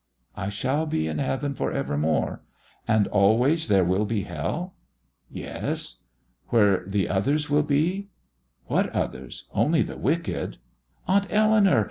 "I shall be in heaven for evermore, and always there will be hell." "Yes." "Where the others will be?" "What others? Only the wicked!" "Aunt Eleanour!